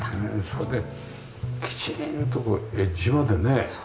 それできちんとエッジまでね。